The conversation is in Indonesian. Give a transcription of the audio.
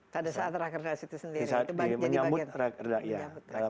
tadi saat rakernas itu sendiri